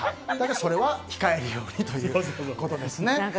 それは控えるようにということですね。